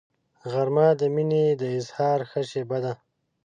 غرمه د مینې د اظهار ښه شیبه ده